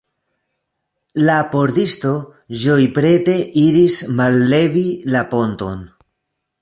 La pordisto ĝojprete iris mallevi la ponton.